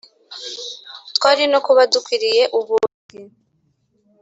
twari no kuba dukwiriye ubuntu bwe